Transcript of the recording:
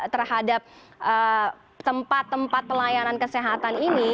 terhadap tempat tempat pelayanan kesehatan ini